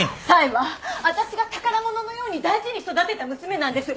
冴は私が宝物のように大事に育てた娘なんです。